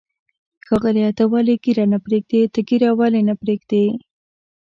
ښاغلیه، ته ولې ږیره نه پرېږدې؟ ته ږیره ولې نه پرېږدی؟